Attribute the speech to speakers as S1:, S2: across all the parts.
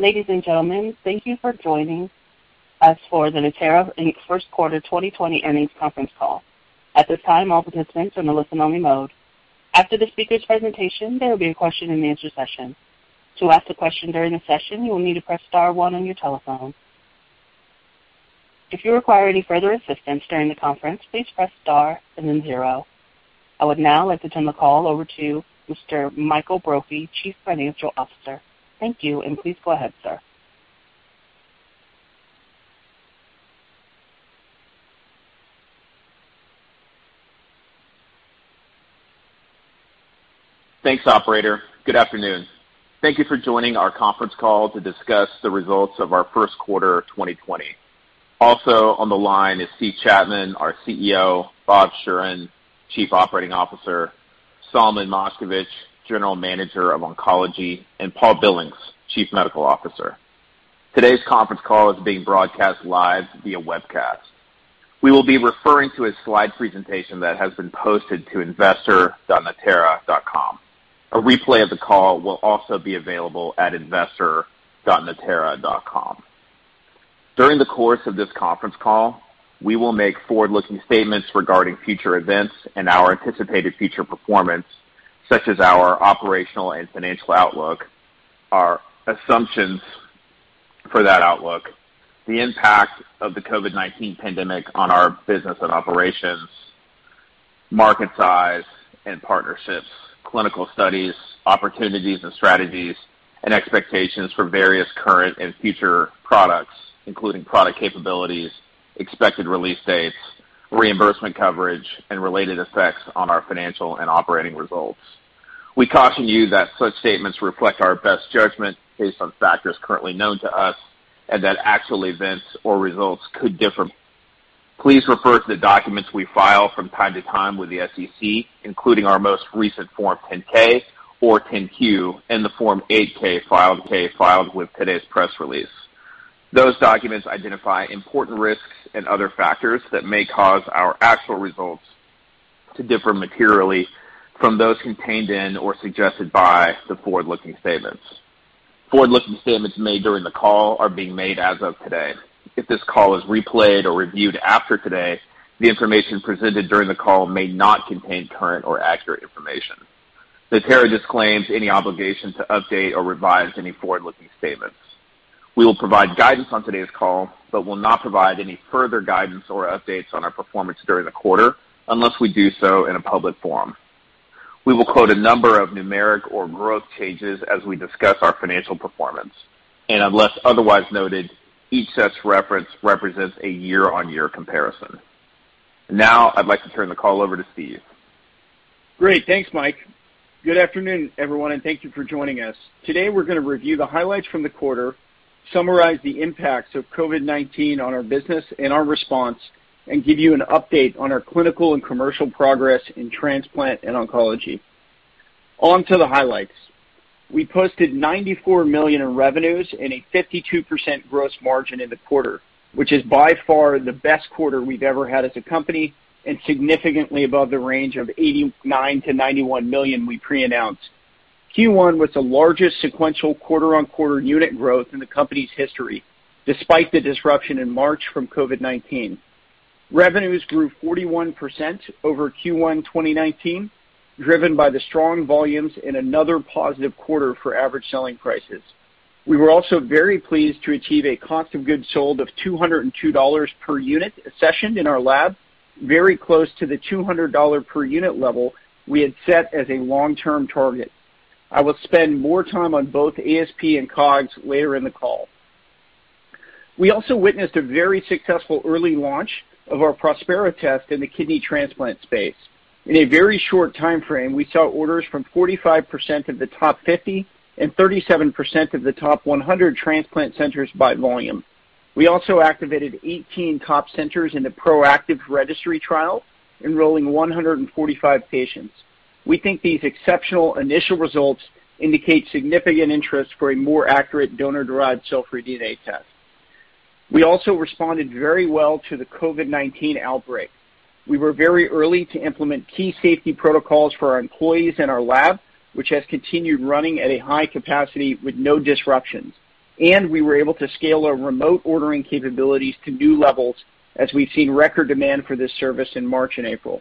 S1: Ladies and gentlemen, thank you for joining us for the Natera first quarter 2020 earnings conference call. At this time, all participants are in a listen-only mode. After the speakers' presentation, there will be a question-and-answer session. To ask a question during the session, you will need to press star one on your telephone. If you require any further assistance during the conference, please press star and then zero. I would now like to turn the call over to Mr. Michael Brophy, Chief Financial Officer. Thank you, please go ahead, sir.
S2: Thanks, operator. Good afternoon. Thank you for joining our conference call to discuss the results of our first quarter 2020. Also on the line is Steve Chapman, our CEO, Bob Schueren, Chief Operating Officer, Solomon Moshkevich, General Manager of Oncology, and Paul Billings, Chief Medical Officer. Today's conference call is being broadcast live via webcast. We will be referring to a slide presentation that has been posted to investor.natera.com. A replay of the call will also be available at investor.natera.com. During the course of this conference call, we will make forward-looking statements regarding future events and our anticipated future performance, such as our operational and financial outlook, our assumptions for that outlook, the impact of the COVID-19 pandemic on our business and operations, market size and partnerships, clinical studies, opportunities and strategies, and expectations for various current and future products, including product capabilities, expected release dates, reimbursement coverage, and related effects on our financial and operating results. We caution you that such statements reflect our best judgment based on factors currently known to us, and that actual events or results could differ. Please refer to the documents we file from time to time with the SEC, including our most recent Form 10-K or Form 10-Q, and the Form 8-K filed with today's press release. Those documents identify important risks and other factors that may cause our actual results to differ materially from those contained in or suggested by the forward-looking statements. Forward-looking statements made during the call are being made as of today. If this call is replayed or reviewed after today, the information presented during the call may not contain current or accurate information. Natera disclaims any obligation to update or revise any forward-looking statements. We will provide guidance on today's call but will not provide any further guidance or updates on our performance during the quarter unless we do so in a public forum. We will quote a number of numeric or growth changes as we discuss our financial performance, and unless otherwise noted, each such reference represents a year-on-year comparison. I'd like to turn the call over to Steve Chapman.
S3: Great. Thanks, Michael Brophy. Good afternoon, everyone, and thank you for joining us. Today, we're going to review the highlights from the quarter, summarize the impacts of COVID-19 on our business and our response, and give you an update on our clinical and commercial progress in transplant and oncology. On to the highlights. We posted $94 million in revenues and a 52% gross margin in the quarter, which is by far the best quarter we've ever had as a company and significantly above the range of $89 million-$91 million we pre-announced. Q1 was the largest sequential quarter-on-quarter unit growth in the company's history, despite the disruption in March from COVID-19. Revenues grew 41% over Q1 2019, driven by the strong volumes and another positive quarter for average selling prices. We were also very pleased to achieve a cost of goods sold of $202 per unit sessioned in our lab, very close to the $200 per unit level we had set as a long-term target. I will spend more time on both ASP and COGS later in the call. We also witnessed a very successful early launch of our Prospera test in the kidney transplant space. In a very short timeframe, we saw orders from 45% of the top 50 and 37% of the top 100 transplant centers by volume. We also activated 18 top centers in the ProActive registry trial, enrolling 145 patients. We think these exceptional initial results indicate significant interest for a more accurate donor-derived cell-free DNA test. We also responded very well to the COVID-19 outbreak. We were very early to implement key safety protocols for our employees and our lab, which has continued running at a high capacity with no disruptions. We were able to scale our remote ordering capabilities to new levels as we've seen record demand for this service in March and April.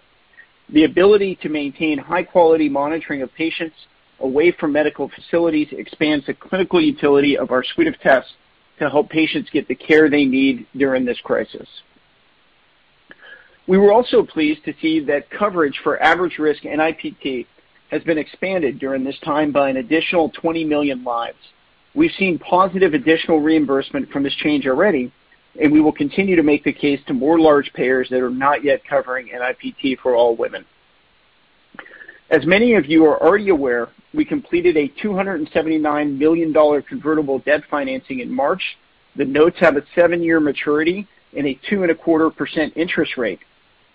S3: The ability to maintain high-quality monitoring of patients away from medical facilities expands the clinical utility of our suite of tests to help patients get the care they need during this crisis. We were also pleased to see that coverage for average risk NIPT has been expanded during this time by an additional 20 million lives. We've seen positive additional reimbursement from this change already, and we will continue to make the case to more large payers that are not yet covering NIPT for all women. As many of you are already aware, we completed a $279 million convertible debt financing in March. The notes have a seven-year maturity and a 2.25% interest rate.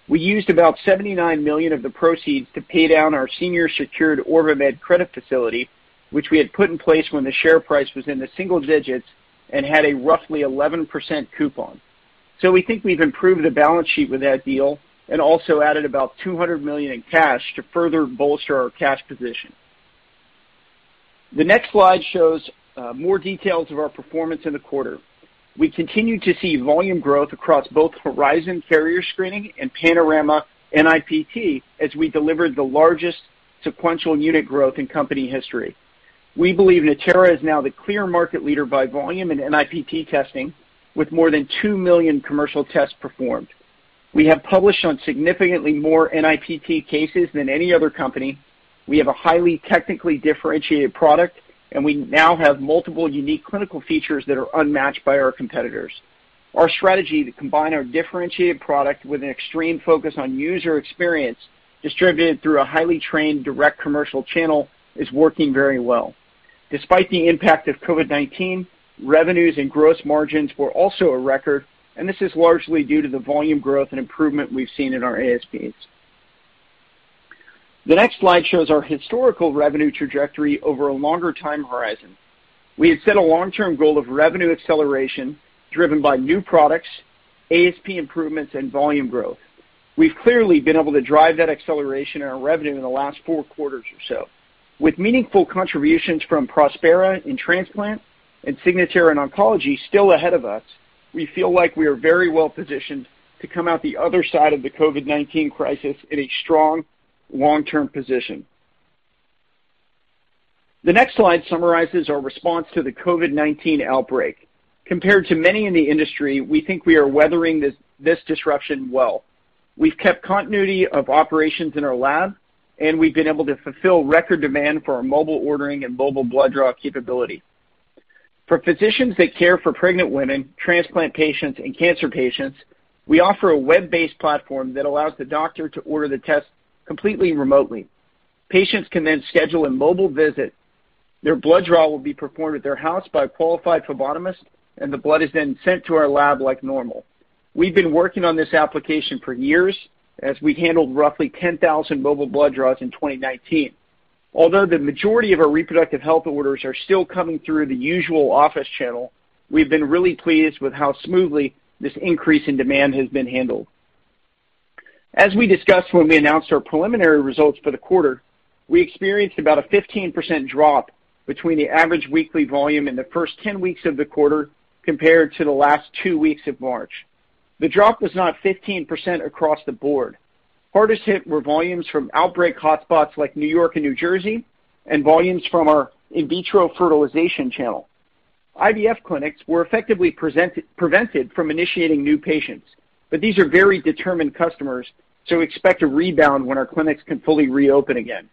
S3: We used about $79 million of the proceeds to pay down our senior secured OrbiMed credit facility, which we had put in place when the share price was in the single digits and had a roughly 11% coupon. We think we've improved the balance sheet with that deal and also added about $200 million in cash to further bolster our cash position. The next slide shows more details of our performance in the quarter. We continue to see volume growth across both Horizon carrier screening and Panorama NIPT as we delivered the largest sequential unit growth in company history. We believe Natera is now the clear market leader by volume in NIPT testing, with more than two million commercial tests performed. We have published on significantly more NIPT cases than any other company. We have a highly technically differentiated product, we now have multiple unique clinical features that are unmatched by our competitors. Our strategy to combine our differentiated product with an extreme focus on user experience distributed through a highly trained direct commercial channel is working very well. Despite the impact of COVID-19, revenues and gross margins were also a record, this is largely due to the volume growth and improvement we've seen in our ASPs. The next slide shows our historical revenue trajectory over a longer time horizon. We had set a long-term goal of revenue acceleration driven by new products, ASP improvements, and volume growth. We've clearly been able to drive that acceleration in our revenue in the last four quarters or so. With meaningful contributions from Prospera in transplant and Signatera in oncology still ahead of us, we feel like we are very well-positioned to come out the other side of the COVID-19 crisis in a strong long-term position. The next slide summarizes our response to the COVID-19 outbreak. Compared to many in the industry, we think we are weathering this disruption well. We've kept continuity of operations in our lab, and we've been able to fulfill record demand for our mobile ordering and mobile blood draw capability. For physicians that care for pregnant women, transplant patients, and cancer patients, we offer a web-based platform that allows the doctor to order the test completely remotely. Patients can schedule a mobile visit. Their blood draw will be performed at their house by a qualified phlebotomist, and the blood is then sent to our lab like normal. We've been working on this application for years as we handled roughly 10,000 mobile blood draws in 2019. Although the majority of our reproductive health orders are still coming through the usual office channel, we've been really pleased with how smoothly this increase in demand has been handled. As we discussed when we announced our preliminary results for the quarter, we experienced about a 15% drop between the average weekly volume in the first 10 weeks of the quarter compared to the last two weeks of March. The drop was not 15% across the board. Hardest hit were volumes from outbreak hotspots like New York and New Jersey and volumes from our in vitro fertilization channel. IVF clinics were effectively prevented from initiating new patients, but these are very determined customers, so expect a rebound when our clinics can fully reopen again.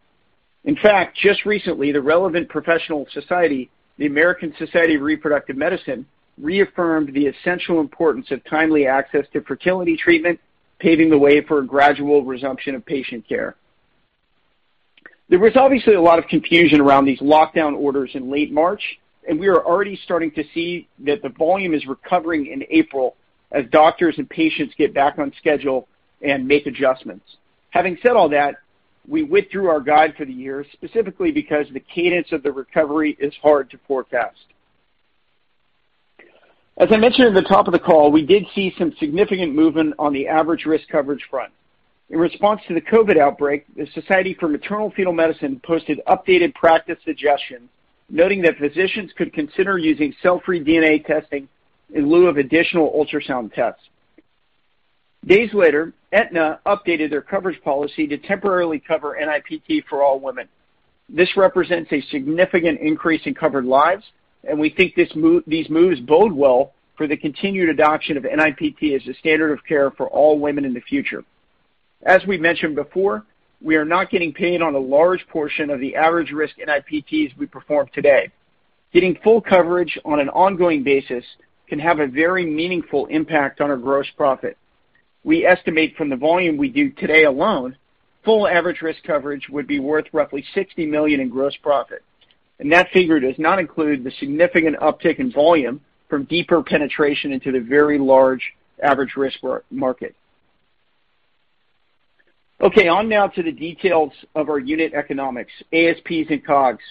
S3: In fact, just recently, the relevant professional society, the American Society of Reproductive Medicine, reaffirmed the essential importance of timely access to fertility treatment, paving the way for a gradual resumption of patient care. The resurface is a lot of confusion around this lockdown orders in late March. We are already starting to see that the volume is recovering in April as doctors and patients get back on schedule and make adjustments. Having said all that, we withdrew our guide for the year, specifically because the cadence of the recovery is hard to forecast. As I mentioned at the top of the call, we did see some significant movement on the average risk coverage front. In response to the COVID-19 outbreak, the Society for Maternal-Fetal Medicine posted updated practice suggestions, noting that physicians could consider using cell-free DNA testing in lieu of additional ultrasound tests. Days later, Aetna updated their coverage policy to temporarily cover NIPT for all women. This represents a significant increase in covered lives, and we think these moves bode well for the continued adoption of NIPT as a standard of care for all women in the future. As we mentioned before, we are not getting paid on a large portion of the average risk NIPTs we perform today. Getting full coverage on an ongoing basis can have a very meaningful impact on our gross profit. We estimate from the volume we do today alone, full average risk coverage would be worth roughly $60 million in gross profit, and that figure does not include the significant uptick in volume from deeper penetration into the very large average risk market. Okay, on now to the details of our unit economics, ASPs and COGS.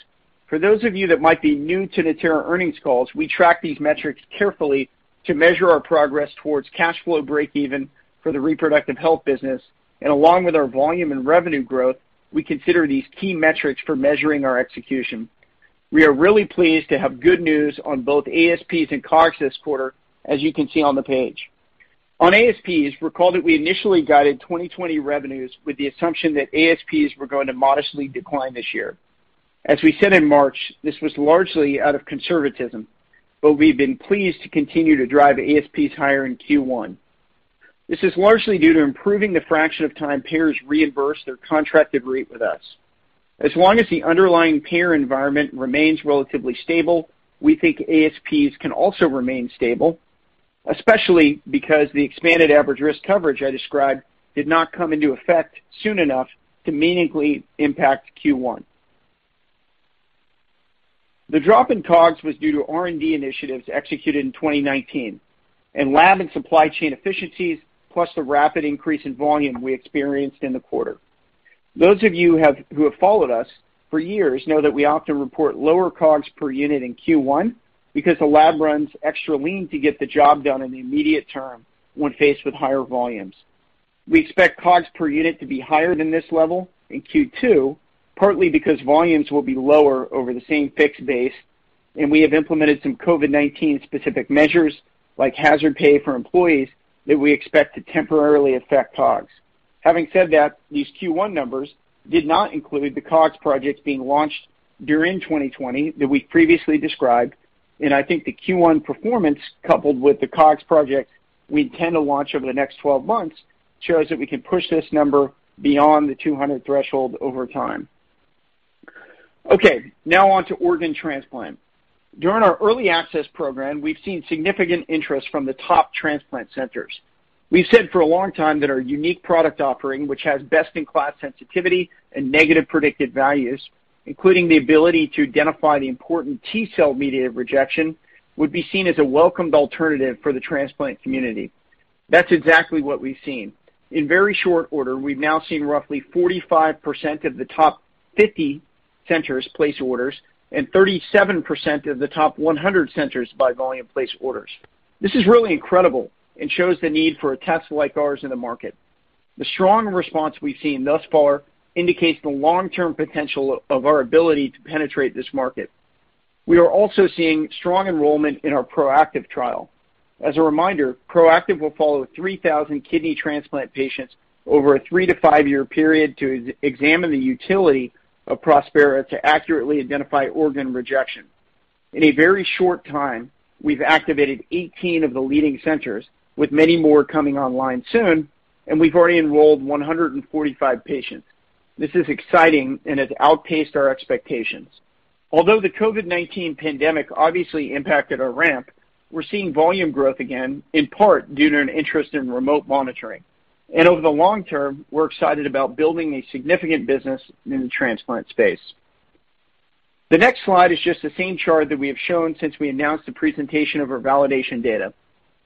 S3: For those of you that might be new to Natera earnings calls, we track these metrics carefully to measure our progress towards cash flow break-even for the reproductive health business. Along with our volume and revenue growth, we consider these key metrics for measuring our execution. We are really pleased to have good news on both ASPs and COGS this quarter, as you can see on the page. On ASPs, recall that we initially guided 2020 revenues with the assumption that ASPs were going to modestly decline this year. As we said in March, this was largely out of conservatism, but we've been pleased to continue to drive ASPs higher in Q1. This is largely due to improving the fraction of time payers reimburse their contracted rate with us. As long as the underlying payer environment remains relatively stable, we think ASPs can also remain stable, especially because the expanded average risk coverage I described did not come into effect soon enough to meaningfully impact Q1. The drop in COGS was due to R&D initiatives executed in 2019 and lab and supply chain efficiencies, plus the rapid increase in volume we experienced in the quarter. Those of you who have followed us for years know that we often report lower COGS per unit in Q1 because the lab runs extra lean to get the job done in the immediate term when faced with higher volumes. We expect COGS per unit to be higher than this level in Q2, partly because volumes will be lower over the same fixed base, and we have implemented some COVID-19 specific measures, like hazard pay for employees, that we expect to temporarily affect COGS. Having said that, these Q1 numbers did not include the COGS projects being launched during 2020 that we previously described, and I think the Q1 performance, coupled with the COGS projects we intend to launch over the next 12 months, shows that we can push this number beyond the 200 threshold over time. Okay, now on to organ transplant. During our early access program, we've seen significant interest from the top transplant centers. We've said for a long time that our unique product offering, which has best in class sensitivity and negative predicted values, including the ability to identify the important T cell mediated rejection, would be seen as a welcomed alternative for the transplant community. That's exactly what we've seen. In very short order, we've now seen roughly 45% of the top 50 centers place orders and 37% of the top 100 centers by volume place orders. This is really incredible and shows the need for a test like ours in the market. The strong response we've seen thus far indicates the long-term potential of our ability to penetrate this market. We are also seeing strong enrollment in our ProActive trial. As a reminder, ProActive will follow 3,000 kidney transplant patients over a three to five-year period to examine the utility of Prospera to accurately identify organ rejection. In a very short time, we've activated 18 of the leading centers, with many more coming online soon, and we've already enrolled 145 patients. This is exciting and has outpaced our expectations. Although the COVID-19 pandemic obviously impacted our ramp, we're seeing volume growth again, in part due to an interest in remote monitoring. Over the long term, we're excited about building a significant business in the transplant space. The next slide is just the same chart that we have shown since we announced the presentation of our validation data.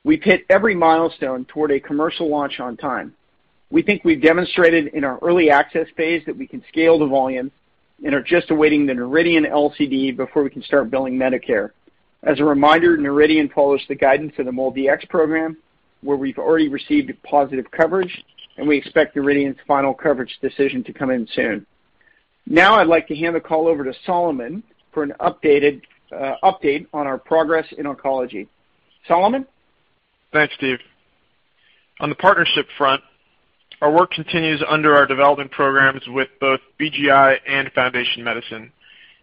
S3: We've hit every milestone toward a commercial launch on time. We think we've demonstrated in our early access phase that we can scale the volume and are just awaiting the Noridian LCD before we can start billing Medicare. As a reminder, Noridian follows the guidance for the MolDX program, where we've already received positive coverage, and we expect Noridian's final coverage decision to come in soon. I'd like to hand the call over to Solomon Moshkevich for an update on our progress in oncology. Solomon Moshkevich?
S4: Thanks, Steve Chapman. On the partnership front, our work continues under our development programs with both BGI and Foundation Medicine.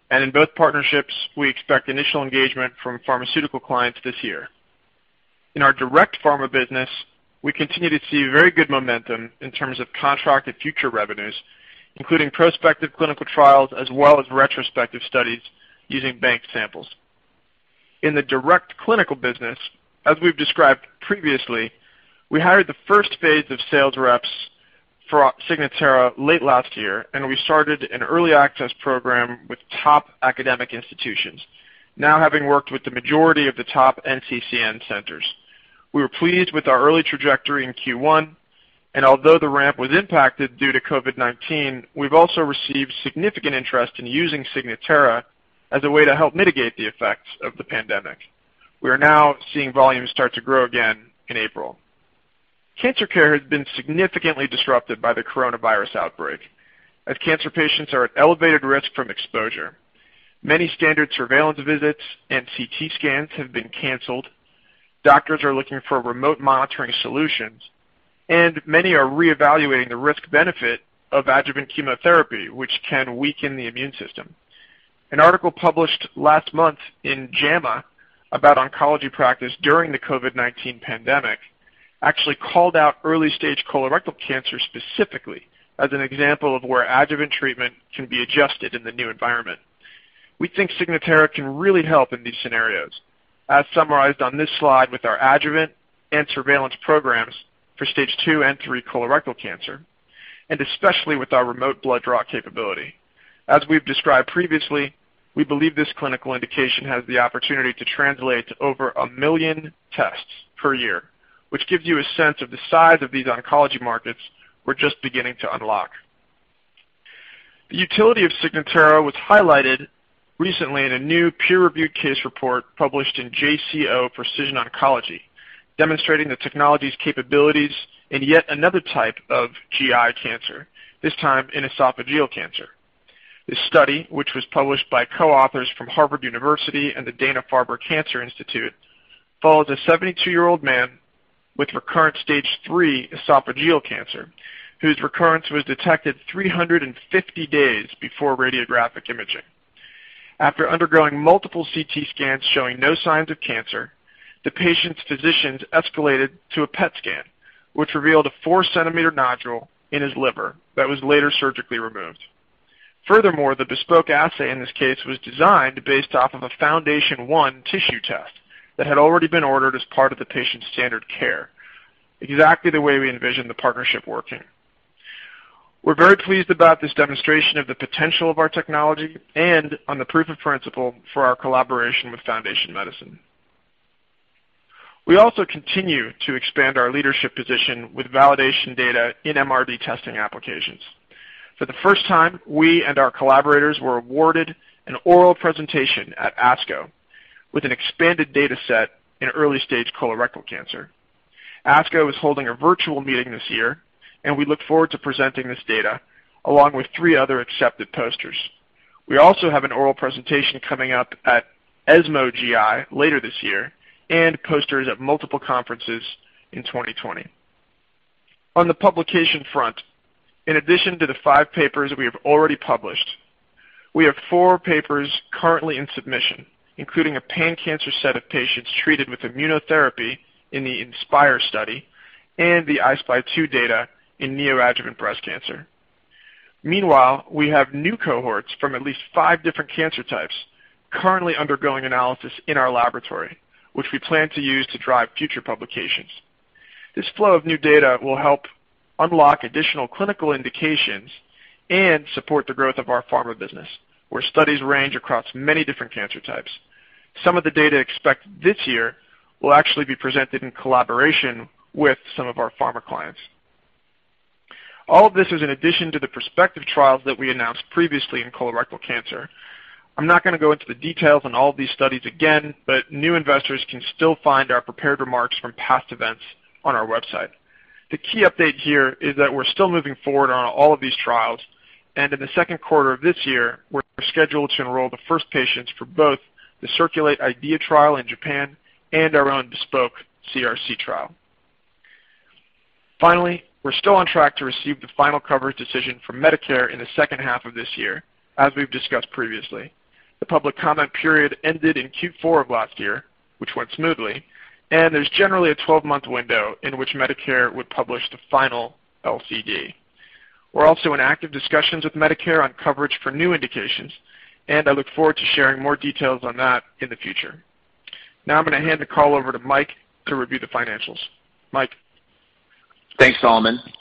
S4: In both partnerships, we expect initial engagement from pharmaceutical clients this year. In our direct pharma business, we continue to see very good momentum in terms of contracted future revenues, including prospective clinical trials as well as retrospective studies using bank samples. In the direct clinical business, as we've described previously, we hired the first phase of sales reps for Signatera late last year. We started an early access program with top academic institutions, now having worked with the majority of the top NCCN centers. We were pleased with our early trajectory in Q1. Although the ramp was impacted due to COVID-19, we've also received significant interest in using Signatera as a way to help mitigate the effects of the pandemic. We are now seeing volumes start to grow again in April. Cancer care has been significantly disrupted by the coronavirus outbreak as cancer patients are at elevated risk from exposure. Many standard surveillance visits and CT scans have been canceled. Doctors are looking for remote monitoring solutions, and many are reevaluating the risk benefit of adjuvant chemotherapy, which can weaken the immune system. An article published last month in JAMA about oncology practice during the COVID-19 pandemic actually called out early stage colorectal cancer specifically as an example of where adjuvant treatment can be adjusted in the new environment. We think Signatera can really help in these scenarios, as summarized on this slide with our adjuvant and surveillance programs for stage two and three colorectal cancer, and especially with our remote blood draw capability. As we've described previously, we believe this clinical indication has the opportunity to translate to over a million tests per year, which gives you a sense of the size of these oncology markets we're just beginning to unlock. The utility of Signatera was highlighted recently in a new peer-reviewed case report published in JCO Precision Oncology, demonstrating the technology's capabilities in yet another type of GI cancer, this time in esophageal cancer. This study, which was published by co-authors from Harvard University and the Dana-Farber Cancer Institute, follows a 72-year-old man with recurrent stage three esophageal cancer, whose recurrence was detected 350 days before radiographic imaging. After undergoing multiple CT scans showing no signs of cancer, the patient's physicians escalated to a PET scan, which revealed a four centimeter nodule in his liver that was later surgically removed. Furthermore, the bespoke assay in this case was designed based off of a FoundationOne tissue test that had already been ordered as part of the patient's standard care, exactly the way we envisioned the partnership working. We are very pleased about this demonstration of the potential of our technology and on the proof of principle for our collaboration with Foundation Medicine. We also continue to expand our leadership position with validation data in MRD testing applications. For the first time, we and our collaborators were awarded an oral presentation at ASCO with an expanded data set in early-stage colorectal cancer. ASCO is holding a virtual meeting this year, and we look forward to presenting this data along with three other accepted posters. We also have an oral presentation coming up at ESMO GI later this year and posters at multiple conferences in 2020. On the publication front, in addition to the five papers we have already published, we have four papers currently in submission, including a pan-cancer set of patients treated with immunotherapy in the INSPIRE study and the I-SPY 2 data in neoadjuvant breast cancer. Meanwhile, we have new cohorts from at least five different cancer types currently undergoing analysis in our laboratory, which we plan to use to drive future publications. This flow of new data will help unlock additional clinical indications and support the growth of our pharma business, where studies range across many different cancer types. Some of the data expected this year will actually be presented in collaboration with some of our pharma clients. All of this is in addition to the prospective trials that we announced previously in colorectal cancer. I'm not going to go into the details on all of these studies again, but new investors can still find our prepared remarks from past events on our website. The key update here is that we're still moving forward on all of these trials, and in the second quarter of this year, we're scheduled to enroll the first patients for both the CIRCULATE-IDEA trial in Japan and our own bespoke CRC trial. Finally, we're still on track to receive the final coverage decision from Medicare in the second half of this year, as we've discussed previously. The public comment period ended in Q4 of last year, which went smoothly, and there's generally a 12-month window in which Medicare would publish the final LCD. We're also in active discussions with Medicare on coverage for new indications, and I look forward to sharing more details on that in the future. Now I'm going to hand the call over to Michael Brophy to review the financials. Michael Brophy?
S2: Thanks, Solomon Moshkevich.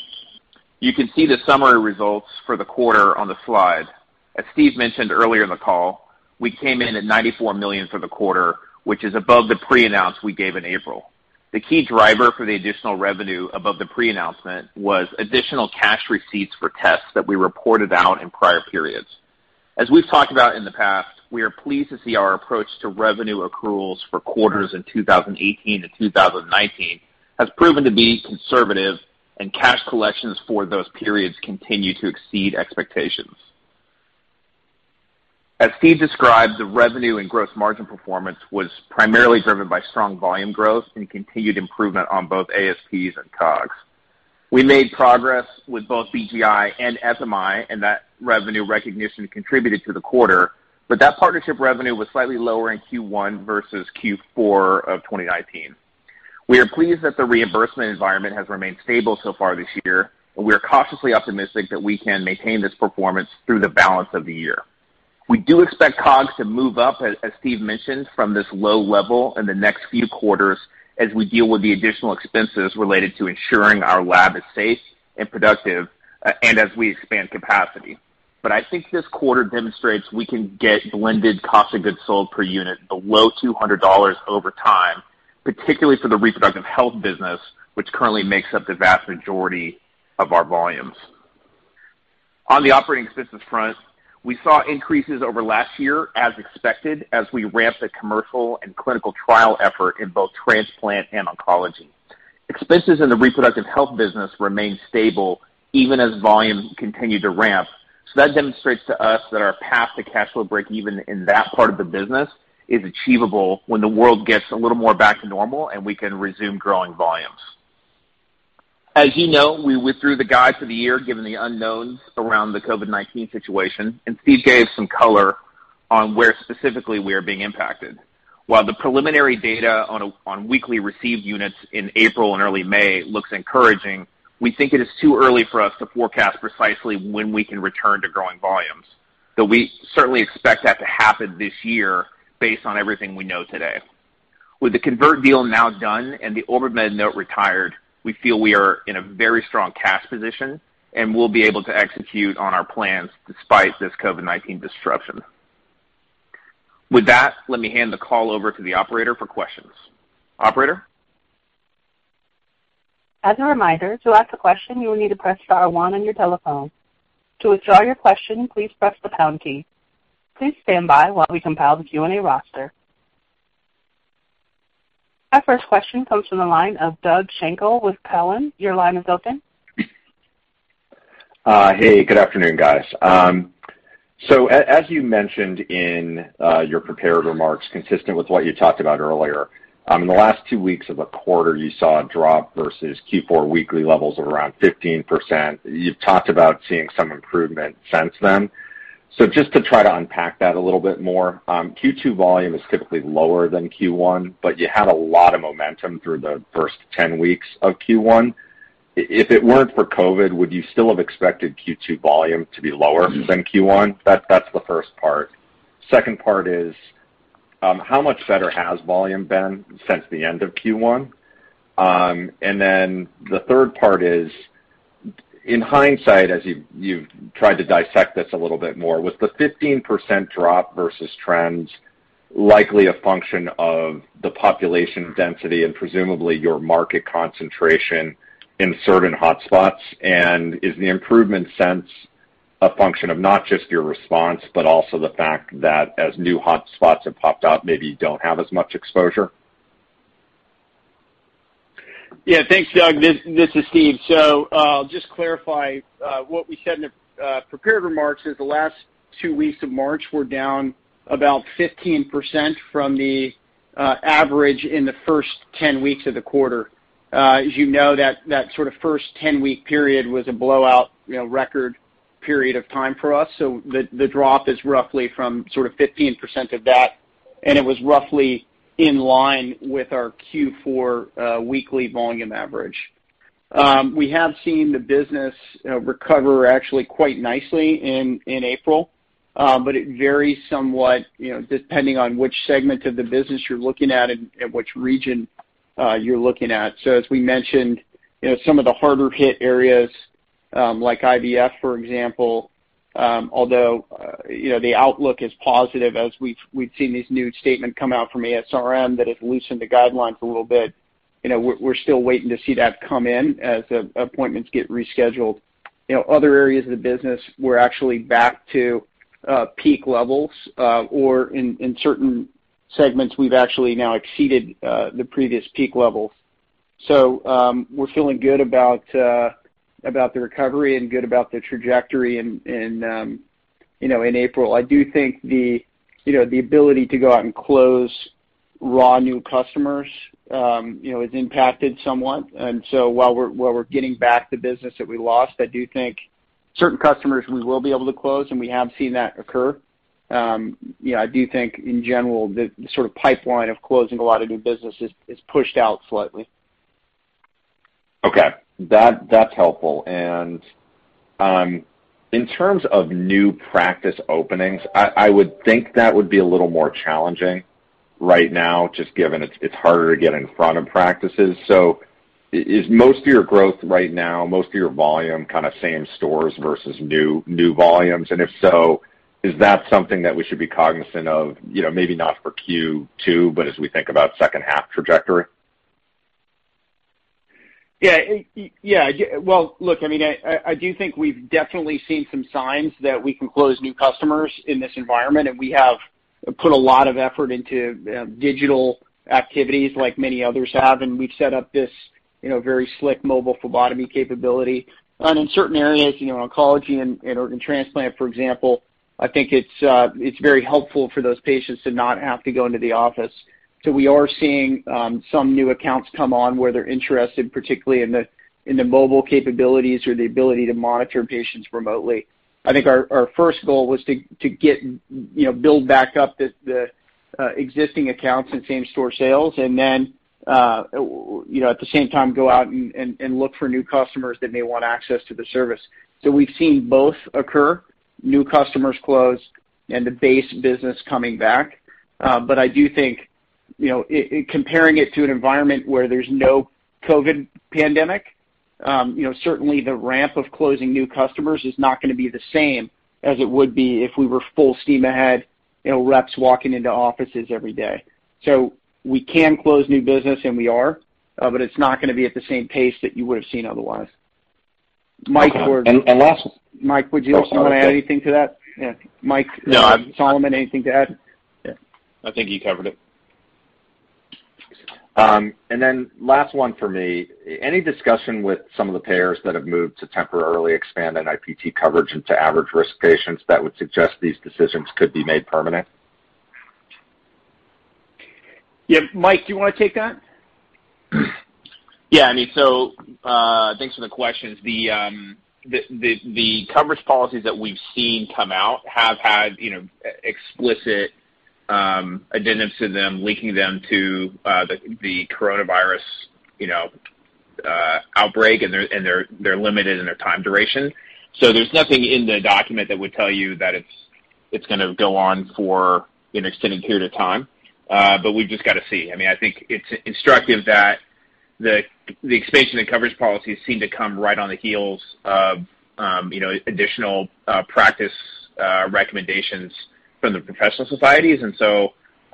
S2: You can see the summary results for the quarter on the slide. As Steve Chapman mentioned earlier in the call, we came in at $94 million for the quarter, which is above the pre-announce we gave in April. The key driver for the additional revenue above the pre-announcement was additional cash receipts for tests that we reported out in prior periods. As we've talked about in the past, we are pleased to see our approach to revenue accruals for quarters in 2018 to 2019 has proven to be conservative, and cash collections for those periods continue to exceed expectations. As Steve Chapman described, the revenue and gross margin performance was primarily driven by strong volume growth and continued improvement on both ASPs and COGS. We made progress with both BGI and SMI, and that revenue recognition contributed to the quarter, but that partnership revenue was slightly lower in Q1 versus Q4 of 2019. We are pleased that the reimbursement environment has remained stable so far this year, and we are cautiously optimistic that we can maintain this performance through the balance of the year. We do expect COGS to move up, as Steve Chapman mentioned, from this low level in the next few quarters as we deal with the additional expenses related to ensuring our lab is safe and productive and as we expand capacity. I think this quarter demonstrates we can get blended cost of goods sold per unit below $200 over time, particularly for the reproductive health business, which currently makes up the vast majority of our volumes. On the operating expenses front, we saw increases over last year, as expected, as we ramp the commercial and clinical trial effort in both transplant and oncology. Expenses in the reproductive health business remain stable even as volumes continue to ramp, so that demonstrates to us that our path to cash flow breakeven in that part of the business is achievable when the world gets a little more back to normal and we can resume growing volumes. As you know, we withdrew the guide for the year, given the unknowns around the COVID-19 situation, and Steve Chapman gave some color on where specifically we are being impacted. While the preliminary data on weekly received units in April and early May looks encouraging, we think it is too early for us to forecast precisely when we can return to growing volumes, though we certainly expect that to happen this year based on everything we know today. With the Convert deal now done and the OrbiMed note retired, we feel we are in a very strong cash position and will be able to execute on our plans despite this COVID-19 disruption. With that, let me hand the call over to the operator for questions. Operator?
S1: As a reminder, to ask a question, you will need to press star one on your telephone. To withdraw your question, please press the pound key. Please stand by while we compile the Q&A roster. Our first question comes from the line of Doug Schenkel with Cowen. Your line is open.
S5: Hey, good afternoon, guys. As you mentioned in your prepared remarks, consistent with what you talked about earlier, in the last two weeks of the quarter, you saw a drop versus Q4 weekly levels of around 15%. You've talked about seeing some improvement since then. Just to try to unpack that a little bit more, Q2 volume is typically lower than Q1, but you had a lot of momentum through the first 10 weeks of Q1. If it weren't for COVID-19, would you still have expected Q2 volume to be lower than Q1? That's the first part. second part is, how much better has volume been since the end of Q1? The third part is, in hindsight, as you've tried to dissect this a little bit more, was the 15% drop versus trends likely a function of the population density and presumably your market concentration in certain hotspots? Is the improvement sense a function of not just your response, but also the fact that as new hotspots have popped up, maybe you don't have as much exposure?
S3: Yeah. Thanks, Doug Schenkel. This is Steve Chapman. Just clarify, what we said in the prepared remarks is the last two weeks of March were down about 15% from the average in the first 10 weeks of the quarter. As you know, that sort of first 10-week period was a blowout record period of time for us. The drop is roughly from sort of 15% of that, and it was roughly in line with our Q4 weekly volume average. We have seen the business recover actually quite nicely in April, but it varies somewhat depending on which segment of the business you're looking at and which region you're looking at. As we mentioned, some of the harder hit areas, like IVF, for example, although the outlook is positive as we've seen this new statement come out from ASRM that has loosened the guidelines a little bit, we're still waiting to see that come in as appointments get rescheduled. Other areas of the business, we're actually back to peak levels, or in certain segments, we've actually now exceeded the previous peak levels. We're feeling good about the recovery and good about the trajectory in April. I do think the ability to go out and close raw new customers is impacted somewhat. While we're getting back the business that we lost, I do think certain customers we will be able to close, and we have seen that occur. I do think, in general, the sort of pipeline of closing a lot of new business is pushed out slightly.
S5: Okay. That's helpful. In terms of new practice openings, I would think that would be a little more challenging right now, just given it's harder to get in front of practices. Is most of your growth right now, most of your volume kind of same stores versus new volumes? If so, is that something that we should be cognizant of, maybe not for Q2, but as we think about second half trajectory?
S3: Well, look, I do think we've definitely seen some signs that we can close new customers in this environment, and we have put a lot of effort into digital activities like many others have, and we've set up this very slick mobile phlebotomy capability. In certain areas, oncology and organ transplant, for example, I think it's very helpful for those patients to not have to go into the office. We are seeing some new accounts come on where they're interested, particularly in the mobile capabilities or the ability to monitor patients remotely. I think our first goal was to build back up the existing accounts and same-store sales and then at the same time go out and look for new customers that may want access to the service. We've seen both occur, new customers close and the base business coming back. I do think, comparing it to an environment where there's no COVID-19 pandemic, certainly the ramp of closing new customers is not going to be the same as it would be if we were full steam ahead, reps walking into offices every day. We can close new business, and we are, but it's not going to be at the same pace that you would have seen otherwise.
S5: Okay.
S3: Michael Brophy, would you also want to add anything to that? Yeah.
S2: No, I-
S3: Solomon Moshkevich, anything to add? Yeah.
S2: I think you covered it.
S5: Last one for me. Any discussion with some of the payers that have moved to temporarily expand NIPT coverage into average-risk patients that would suggest these decisions could be made permanent?
S3: Yeah. Michael Brophy, do you want to take that?
S2: Yeah, thanks for the questions. The coverage policies that we've seen come out have had explicit addendums to them linking them to the coronavirus outbreak, and they're limited in their time duration. There's nothing in the document that would tell you that it's going to go on for an extended period of time. We've just got to see. I think it's instructive that the expansion and coverage policies seem to come right on the heels of additional practice recommendations from the professional societies.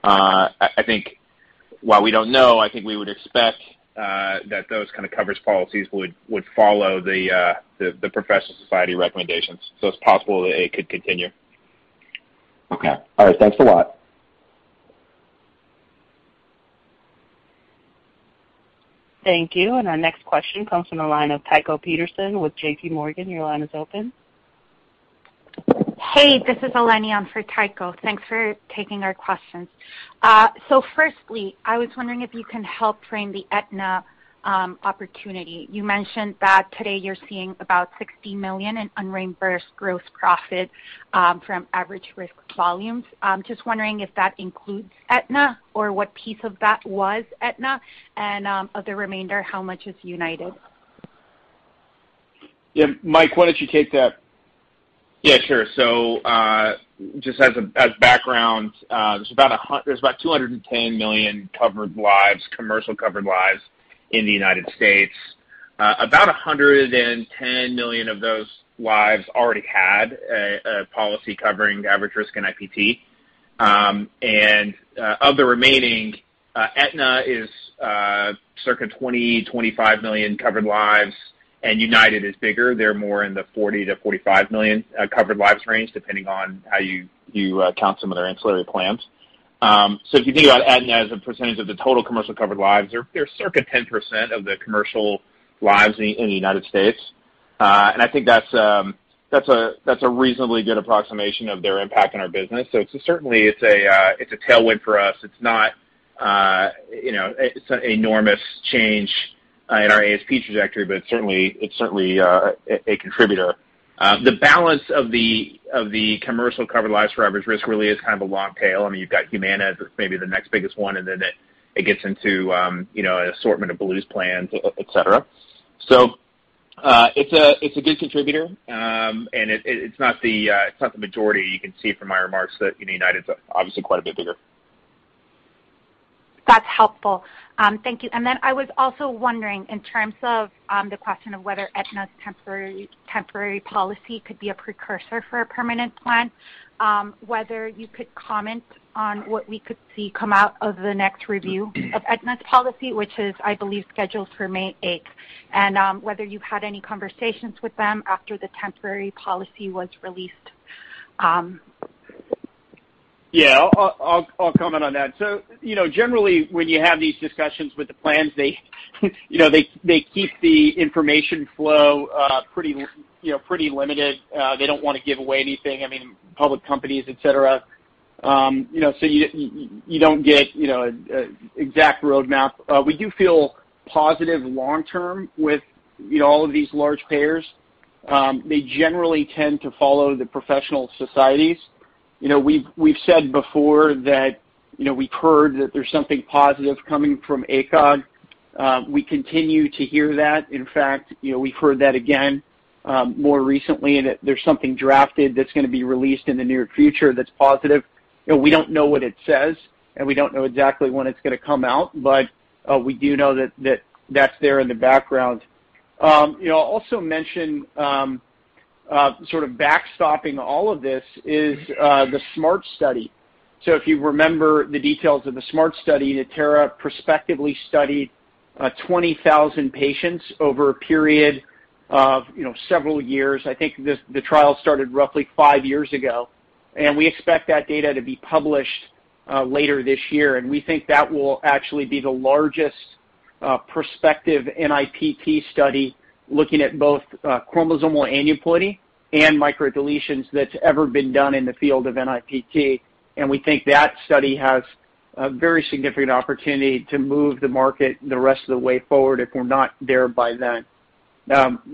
S2: I think while we don't know, I think we would expect that those kind of coverage policies would follow the professional society recommendations. It's possible that it could continue.
S5: Okay. All right. Thanks a lot.
S1: Thank you. Our next question comes from the line of Tycho Peterson with JPMorgan. Your line is open.
S6: Hey, this is Eleni on for Tycho. Thanks for taking our questions. Firstly, I was wondering if you can help frame the Aetna opportunity. You mentioned that today you are seeing about $60 million in un-reimbursed gross profit from average risk volumes. Just wondering if that includes Aetna or what piece of that was Aetna and of the remainder, how much is United?
S3: Yeah, Michael Brophy, why don't you take that?
S2: Sure. Just as background, there's about 210 million commercial covered lives in the United States. About 110 million of those lives already had a policy covering average risk and NIPT. Of the remaining, Aetna is circa 20 million-25 million covered lives, and United is bigger. They're more in the 40 million-45 million covered lives range, depending on how you count some of their ancillary plans. If you think about Aetna as a percentage of the total commercial covered lives, they're circa 10% of the commercial lives in the United States. I think that's a reasonably good approximation of their impact on our business. Certainly it's a tailwind for us. It's not an enormous change in our ASP trajectory, but it's certainly a contributor. The balance of the commercial covered lives for average risk really is kind of a long tail. You've got Humana as maybe the next biggest one, and then it gets into an assortment of Blues plans, et cetera. It's a good contributor. It's not the majority. You can see from my remarks that United's obviously quite a bit bigger.
S6: That's helpful. Thank you. I was also wondering, in terms of the question of whether Aetna's temporary policy could be a precursor for a permanent plan, whether you could comment on what we could see come out of the next review of Aetna's policy, which is, I believe, scheduled for May 8th, and whether you had any conversations with them after the temporary policy was released.
S3: Yeah, I'll comment on that. Generally, when you have these discussions with the plans, they keep the information flow pretty limited. They don't want to give away anything, public companies, et cetera. You don't get an exact roadmap. We do feel positive long-term with all of these large payers. They generally tend to follow the professional societies. We've said before that we've heard that there's something positive coming from ACOG. We continue to hear that. In fact, we've heard that again more recently, and that there's something drafted that's going to be released in the near future that's positive. We don't know what it says, and we don't know exactly when it's going to come out, but we do know that that's there in the background. I'll also mention sort of backstopping all of this is the SMART Study. If you remember the details of the SMART Study, Natera prospectively studied 20,000 patients over a period of several years. I think the trial started roughly five years ago, and we expect that data to be published later this year, and we think that will actually be the largest prospective NIPT study looking at both chromosomal aneuploidy and microdeletions that's ever been done in the field of NIPT. We think that study has a very significant opportunity to move the market the rest of the way forward if we're not there by then.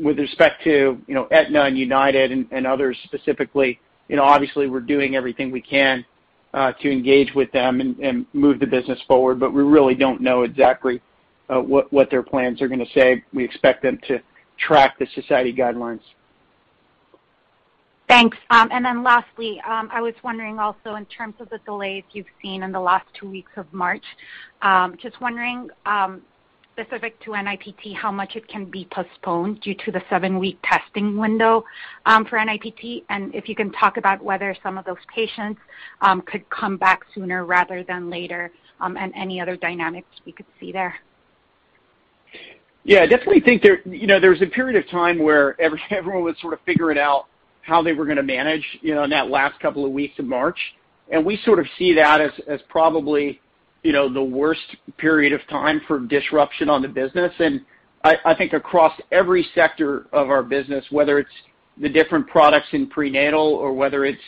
S3: With respect to Aetna and United and others specifically, obviously we're doing everything we can to engage with them and move the business forward, but we really don't know exactly what their plans are going to say. We expect them to track the society guidelines.
S6: Thanks. Lastly, I was wondering also in terms of the delays you've seen in the last two weeks of March, just wondering, specific to NIPT, how much it can be postponed due to the seven-week testing window for NIPT, and if you can talk about whether some of those patients could come back sooner rather than later, and any other dynamics we could see there?
S3: Yeah, I definitely think there was a period of time where everyone was sort of figuring out how they were going to manage in that last couple of weeks of March. We sort of see that as probably the worst period of time for disruption on the business. I think across every sector of our business, whether it's the different products in prenatal or whether it's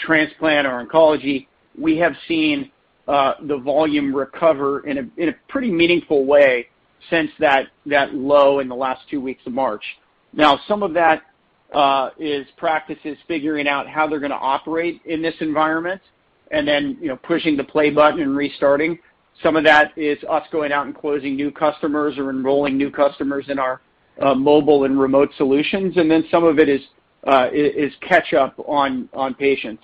S3: transplant or oncology, we have seen the volume recover in a pretty meaningful way since that low in the last two weeks of March. Now, some of that is practices figuring out how they're going to operate in this environment and then pushing the play button and restarting. Some of that is us going out and closing new customers or enrolling new customers in our mobile and remote solutions, and then some of it is catch-up on patients.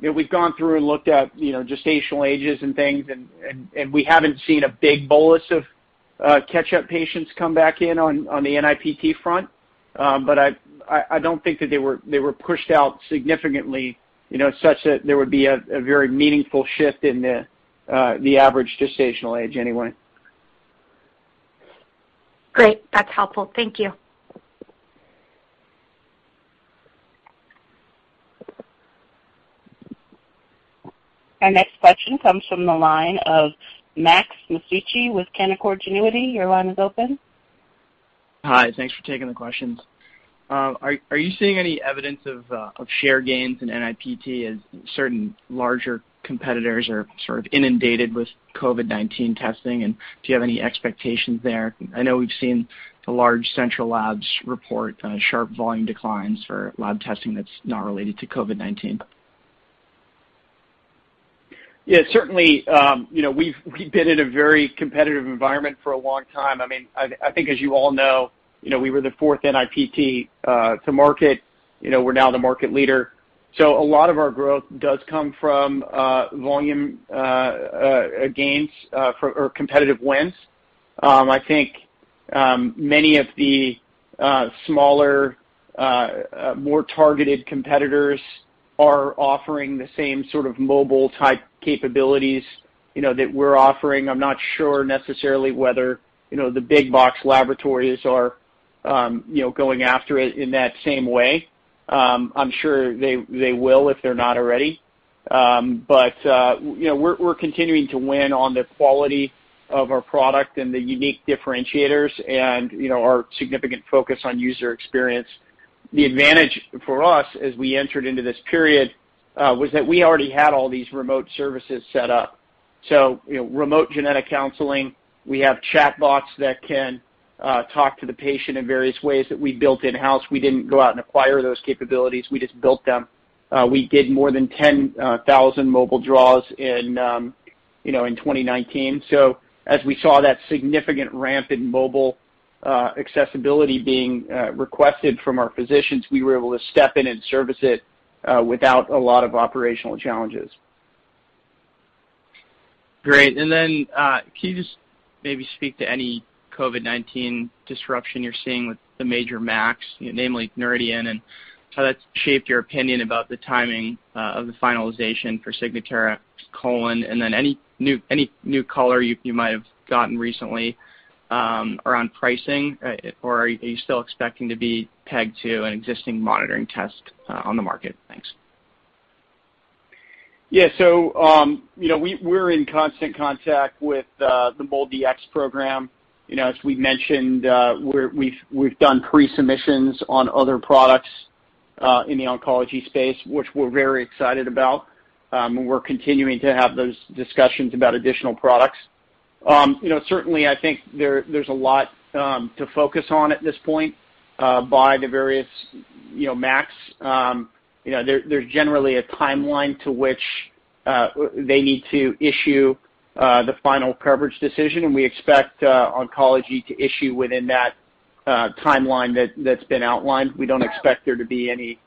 S3: We've gone through and looked at gestational ages and things, and we haven't seen a big bolus of catch-up patients come back in on the NIPT front. I don't think that they were pushed out significantly, such that there would be a very meaningful shift in the average gestational age, anyway.
S6: Great. That's helpful. Thank you.
S1: Our next question comes from the line of Max Masucci with Canaccord Genuity. Your line is open.
S7: Hi. Thanks for taking the questions. Are you seeing any evidence of share gains in NIPT as certain larger competitors are sort of inundated with COVID-19 testing? Do you have any expectations there? I know we've seen the large central labs report sharp volume declines for lab testing that's not related to COVID-19.
S3: Yeah, certainly, we've been in a very competitive environment for a long time. I think as you all know, we were the fourth NIPT to market. We're now the market leader. A lot of our growth does come from volume gains or competitive wins. I think many of the smaller, more targeted competitors are offering the same sort of mobile-type capabilities that we're offering. I'm not sure necessarily whether the big box laboratories are going after it in that same way. I'm sure they will, if they're not already. We're continuing to win on the quality of our product and the unique differentiators and our significant focus on user experience. The advantage for us as we entered into this period, was that we already had all these remote services set up. Remote genetic counseling, we have chatbots that can talk to the patient in various ways that we built in-house. We didn't go out and acquire those capabilities. We just built them. We did more than 10,000 mobile draws in 2019. As we saw that significant ramp in mobile accessibility being requested from our physicians, we were able to step in and service it without a lot of operational challenges.
S7: Great. Then, can you just maybe speak to any COVID-19 disruption you're seeing with the major MACs, namely Noridian, and how that's shaped your opinion about the timing of the finalization for Signatera colon, and then any new color you might have gotten recently around pricing, or are you still expecting to be pegged to an existing monitoring test on the market? Thanks.
S3: Yeah. We're in constant contact with the MolDX program. As we've mentioned, we've done pre-submissions on other products in the oncology space, which we're very excited about. We're continuing to have those discussions about additional products. Certainly, I think there's a lot to focus on at this point by the various MACs. There's generally a timeline to which they need to issue the final coverage decision, and we expect oncology to issue within that timeline that's been outlined. We don't expect there to be any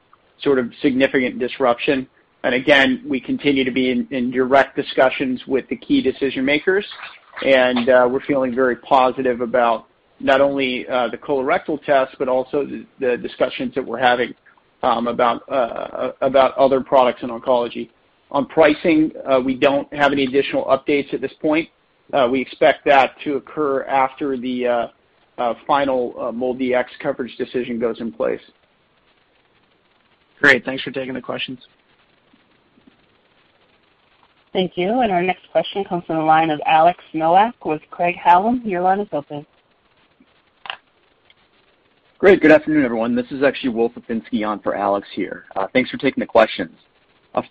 S3: sort of significant disruption. Again, we continue to be in direct discussions with the key decision-makers, and we're feeling very positive about not only the colorectal test, but also the discussions that we're having about other products in oncology. On pricing, we don't have any additional updates at this point. We expect that to occur after the final MolDX coverage decision goes in place.
S7: Great. Thanks for taking the questions.
S1: Thank you. Our next question comes from the line of Alexander Nowak with Craig-Hallum. Your line is open.
S8: Great. Good afternoon, everyone. This is actually Will Fufinski on for Alexander Nowak here. Thanks for taking the questions.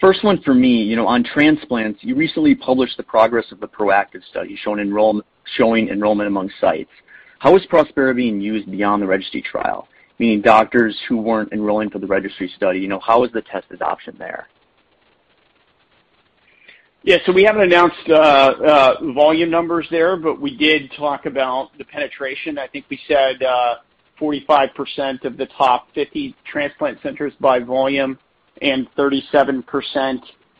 S8: First one for me. On transplants, you recently published the progress of the ProActive study showing enrollment among sites. How is Prospera being used beyond the registry trial, meaning doctors who weren't enrolling for the registry study, how is the test adoption there?
S3: Yeah. We haven't announced volume numbers there, but we did talk about the penetration. I think we said 45% of the top 50 transplant centers by volume and 37%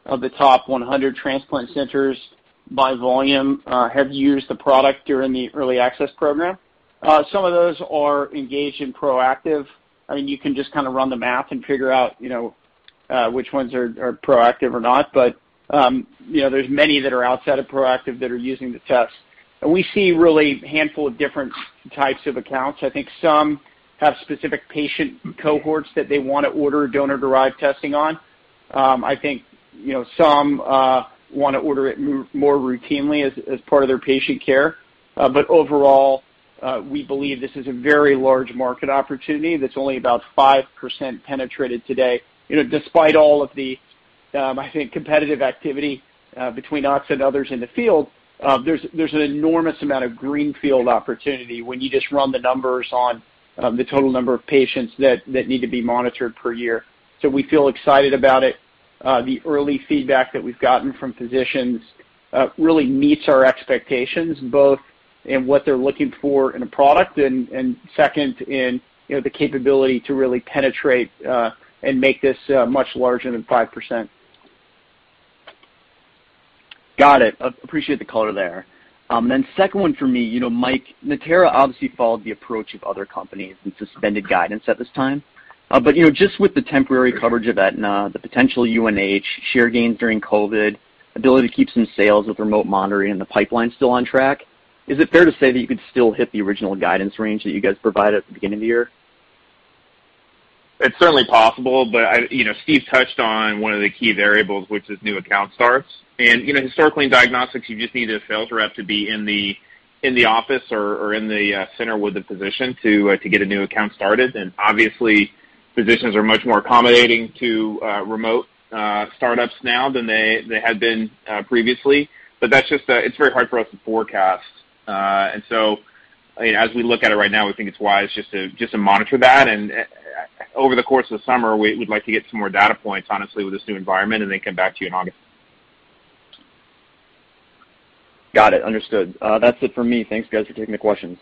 S3: of the top 100 transplant centers by volume have used the product during the early access program. Some of those are engaged in ProActive. You can just run the math and figure out which ones are ProActive or not. There's many that are outside of ProActive that are using the test. We see really a handful of different types of accounts. I think some have specific patient cohorts that they want to order donor-derived testing on. I think some want to order it more routinely as part of their patient care. Overall, we believe this is a very large market opportunity that's only about 5% penetrated today. Despite all of the, I think, competitive activity between us and others in the field, there's an enormous amount of greenfield opportunity when you just run the numbers on the total number of patients that need to be monitored per year. We feel excited about it. The early feedback that we've gotten from physicians really meets our expectations, both in what they're looking for in a product and second, in the capability to really penetrate and make this much larger than 5%.
S8: Got it. Appreciate the color there. Second one for me. Michael Brophy, Natera obviously followed the approach of other companies and suspended guidance at this time. Just with the temporary coverage of Aetna, the potential UNH share gains during COVID-19, ability to keep some sales with remote monitoring and the pipeline still on track, is it fair to say that you could still hit the original guidance range that you guys provided at the beginning of the year?
S2: It's certainly possible, but Steve Chapman touched on one of the key variables, which is new account starts. Historically in diagnostics, you just need a sales rep to be in the office or in the center with a physician to get a new account started. Obviously, physicians are much more accommodating to remote startups now than they had been previously. It's very hard for us to forecast. As we look at it right now, we think it's wise just to monitor that. Over the course of the summer, we'd like to get some more data points, honestly, with this new environment, and then come back to you in August.
S8: Got it. Understood. That's it for me. Thanks, guys, for taking the questions.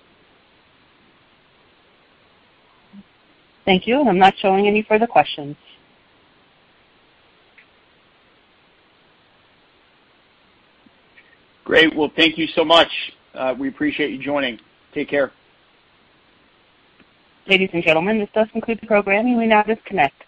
S1: Thank you. I'm not showing any further questions.
S3: Great. Well, thank you so much. We appreciate you joining. Take care.
S1: Ladies and gentlemen, this does conclude the program. You may now disconnect.